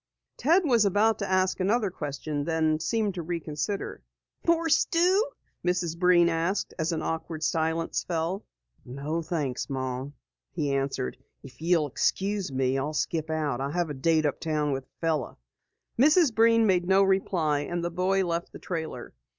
Ted was about to ask another question, then seemed to reconsider. "More stew?" Mrs. Breen asked as an awkward silence fell. "No thanks, Mom," he answered. "If you'll excuse me, I'll skip out. I have a date uptown with a fellow." Mrs. Breen made no reply and the boy left the trailer.